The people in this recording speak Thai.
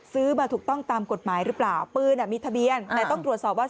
ซื้อมาถูกต้องตามกฎหมายหรือเปล่าปืนอ่ะมีทะเบียนแต่ต้องตรวจสอบว่า